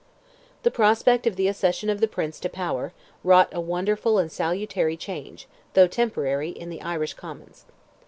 The prospect of the accession of the Prince to power, wrought a wonderful and a salutary change, though temporary, in the Irish Commons.